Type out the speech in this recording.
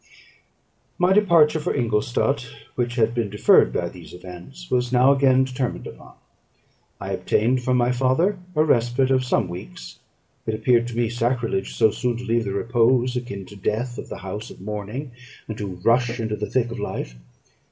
My departure for Ingolstadt, which had been deferred by these events, was now again determined upon. I obtained from my father a respite of some weeks. It appeared to me sacrilege so soon to leave the repose, akin to death, of the house of mourning, and to rush into the thick of life.